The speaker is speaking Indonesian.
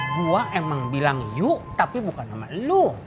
gua emang bilang yu tapi bukan sama lu